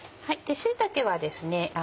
椎茸はですね